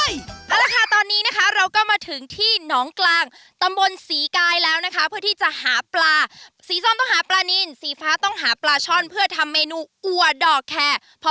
เอาละค่ะตอนนี้นะคะเราก็มาถึงที่หนองกลางตำบลศรีกายแล้วนะคะเพื่อที่จะหาปลาสีส้มต้องหาปลานินสีฟ้าต้องหาปลาช่อนเพื่อทำเมนูอัวดอกแคร์